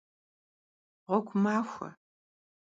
Ğuegu maxue!